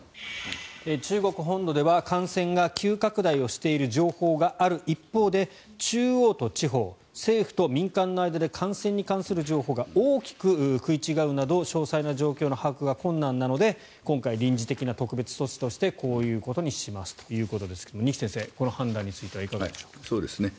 中国本土では感染が急拡大をしている情報がある一方で中央と地方、政府と民間の間で感染に関する情報が大きく食い違うなど詳細な状況の把握が困難なので今回、臨時的な特別措置としてこういうことにしますということですが二木先生、この判断についてはいかがでしょうか？